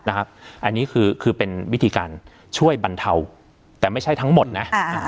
อันนี้คือเป็นวิธีการช่วยบรรเทาแต่ไม่ใช่ทั้งหมดนะ